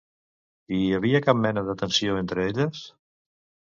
I hi havia cap mena de tensió entre elles?